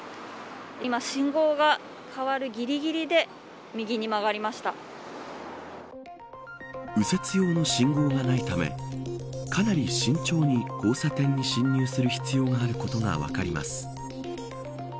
今、信号が変わるぎりぎりで右折用の信号がないためかなり慎重に交差点に進入する必要があることが分かります。